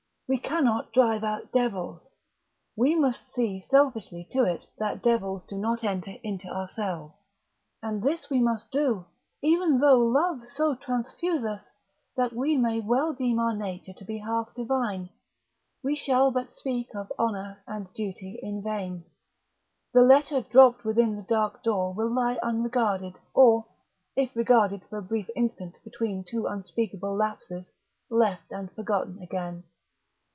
We cannot drive out devils. We must see selfishly to it that devils do not enter into ourselves. And this we must do even though Love so transfuse us that we may well deem our nature to be half divine. We shall but speak of honour and duty in vain. The letter dropped within the dark door will lie unregarded, or, if regarded for a brief instant between two unspeakable lapses, left and forgotten again.